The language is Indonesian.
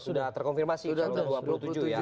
sudah terkonfirmasi kalau dua puluh tujuh ya